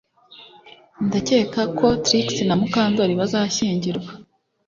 Ndakeka ko Trix na Mukandoli bazashyingirwa